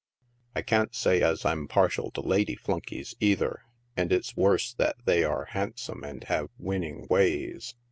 I can't say as Fin partial to lady flunkeys either, and it's worse if they are handsome and hare winning' ways.